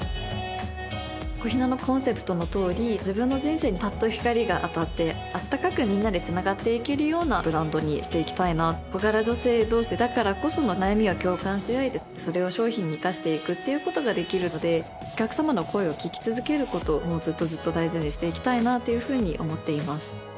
ＣＯＨＩＮＡのコンセプトのとおり自分の人生にパッと光が当たって暖かくみんなでつながっていけるようなブランドにしていきたいな小柄女性同士だからこその悩みを共感しあえてそれを商品に生かしていくっていうことができるのでお客様の声を聞き続けることをもうずっとずっと大事にしていきたいなっていうふうに思っています